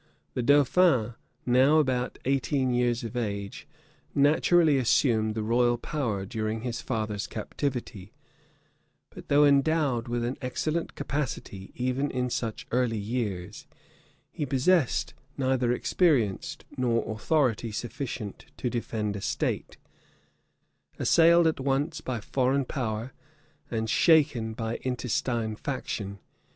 The dauphin, now about eighteen years of age, naturally assumed the royal power during his father's captivity; but though endowed with an excellent capacity, even in such early years, he possessed neither experience nor authority sufficient to defend a state, assailed at once by foreign power and shaken by intestine faction.